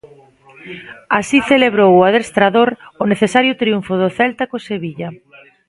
Así celebrou o adestrador o necesario triunfo do Celta co Sevilla.